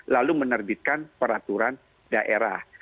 lalu menerbitkan peraturan daerah